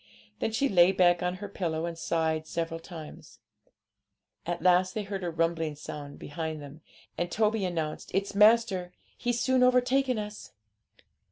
Then she lay back on her pillow and sighed several times. At last they heard a rumbling sound behind them, and Toby announced, 'It's master; he's soon overtaken us.'